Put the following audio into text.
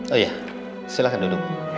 oh iya silahkan duduk